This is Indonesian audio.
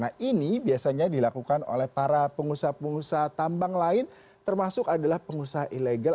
nah ini biasanya dilakukan oleh para pengusaha pengusaha tambang lain termasuk adalah pengusaha ilegal